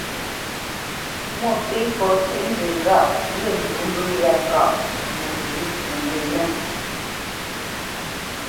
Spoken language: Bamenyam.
Mwôpéfɔ cʉ́ʼnzə ŋgâʼ ghyə̂ ndǔ mbə̂ yá káʼ nəwʉ̌ nə́ ghwenə́ ?